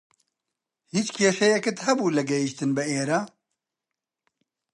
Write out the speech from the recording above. هیچ کێشەیەکت هەبوو لە گەیشتن بە ئێرە؟